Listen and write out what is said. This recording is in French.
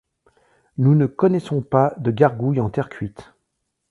Nous ne connaissons pas de gargouilles en terre cuite.